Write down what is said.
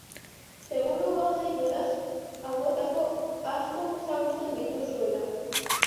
Seguru gaude jolas hauetako asko ezagutzen dituzuela.